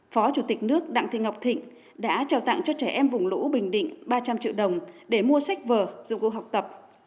phó chủ tịch nước đặng thị ngọc thịnh đã trao tặng cho trẻ em vùng lũ bình định ba trăm linh triệu đồng để mua sách vở phục vụ học tập